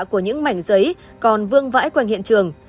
của những mảnh giấy còn vương vãi quanh hiện trường